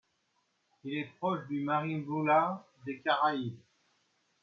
Il est proche du marimbula des Caraïbes.